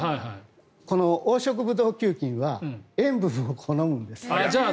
この黄色ブドウ球菌は塩分を好むんです。